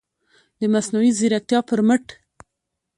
د مصنوعي ځیرکتیا پر مټ